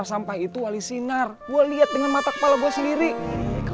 tapi disitu ada fatin saksinya